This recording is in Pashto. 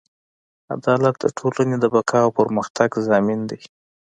عدالت د ټولنې د بقا او پرمختګ ضامن دی.